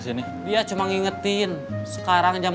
saya aja yang datengnya terlalu cepat